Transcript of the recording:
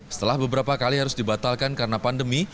setelah beberapa kali harus dibatalkan karena pandemi